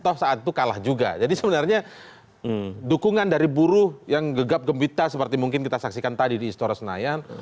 toh saat itu kalah juga jadi sebenarnya dukungan dari buruh yang gegap gembita seperti mungkin kita saksikan tadi di istora senayan